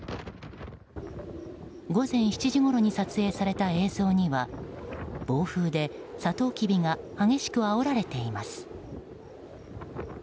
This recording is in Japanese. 午前７時ごろに撮影された映像には暴風でサトウキビが激しくあおられています。